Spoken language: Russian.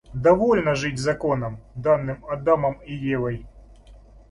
Довольно жить законом, данным Адамом и Евой.